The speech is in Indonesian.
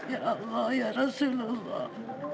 ya allah ya rasulullah